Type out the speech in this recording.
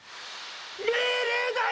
命令だ！